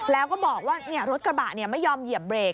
แล้วก็บอกว่ารถกระบะไม่ยอมเหยียบเบรก